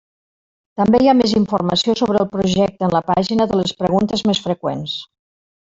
També hi ha més informació sobre el projecte en la pàgina de les preguntes més freqüents.